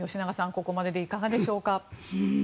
ここまででいかがでしょうか。